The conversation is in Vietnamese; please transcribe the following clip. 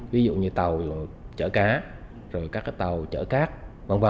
ví dụ như tàu chở cá rồi các cái tàu chở cát v v